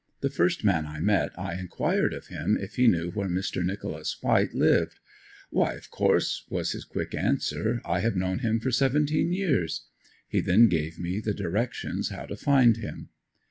The first man I met, I inquired of him, if he knew where Mr. Nicholas White lived? "Why of course," was his quick answer, "I have known him for seventeen years." He then gave me the directions how to find him.